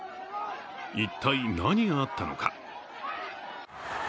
一体、何があったのか。